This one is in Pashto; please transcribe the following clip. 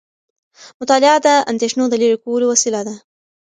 مطالعه د اندیښنو د لرې کولو وسیله ده.